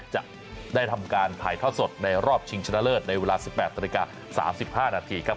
จะได้ทำการถ่ายทอดสดในรอบชิงชนะเลิศในเวลา๑๘นาฬิกา๓๕นาทีครับ